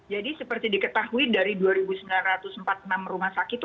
jadi seperti diketahui dari dua sembilan ratus empat puluh enam rumah sakit itu